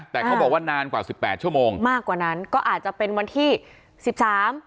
แต่เขาบอกว่านานกว่าสิบแปดชั่วโมงมากกว่านั้นก็อาจจะเป็นวันที่สิบสาม